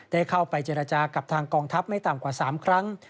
ได้เข้าไปเจรจากับทางกองทัพไม่ต่ำกว่า๓ครั้ง